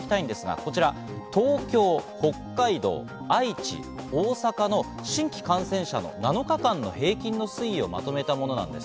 こちら東京、北海道、愛知、大阪の新規感染者の７日間の平均の推移をまとめたものです。